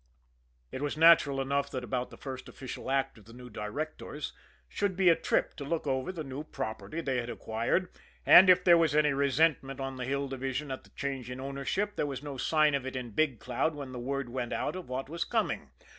It was natural enough that about the first official act of the new directors should be a trip to look over the new property they had acquired; and if there was any resentment on the Hill Division at the change in ownership, there was no sign of it in Big Cloud when the word went out of what was coming.